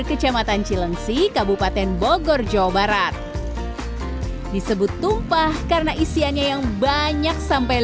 kecamatan cilengsi kabupaten bogor jawa barat disebut tumpah karena isiannya yang banyak sampai